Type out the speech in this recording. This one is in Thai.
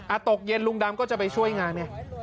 อะตกเย็นลุงดำก็จะไปช่วยงานเนี่ย